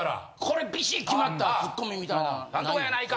これビシッ決まったツッコミみたいなんないん？